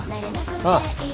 ああ。